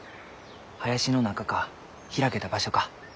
林の中か開けた場所か。